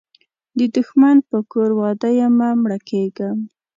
د دښمن په کور واده یمه مړه کیږم